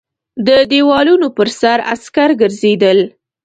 د دېوالونو پر سر عسکر ګرځېدل.